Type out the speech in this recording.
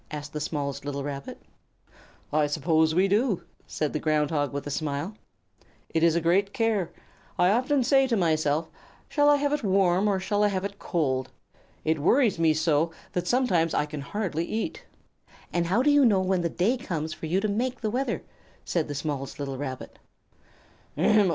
asked the smallest little Rabbit. "I suppose we do," said the Ground Hog, with a smile. "It is a great care. I often say to myself: 'Shall I have it warm, or shall I have it cold?' It worries me so that sometimes I can hardly eat." "And how do you know when the day comes for you to make the weather?" said the smallest little rabbit.